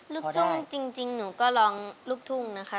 ลูกทุ่งจริงหนูก็ร้องลูกทุ่งนะคะ